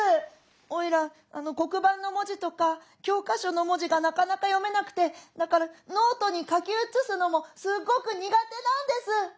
おいら黒板の文字とか教科書の文字がなかなか読めなくてだからノートに書き写すのもすっごく苦手なんです」。